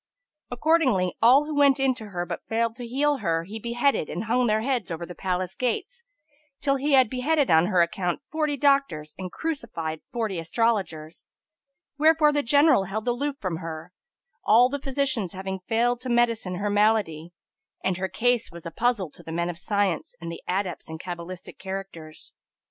Accordingly, all who went in to her, but failed to heal her, he beheaded and hung their heads over the palace gates, till he had beheaded on her account forty doctors and crucified forty astrologers; wherefor the general held aloof from her, all the physicians having failed to medicine her malady; and her case was a puzzle to the men of science and the adepts in cabalistic characters.